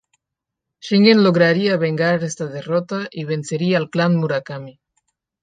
Shingen lograría vengar esta derrota y vencería al clan Murakami.